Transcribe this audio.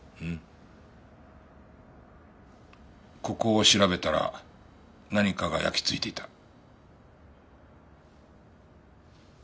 ここを調べたら何かが焼き付いていた。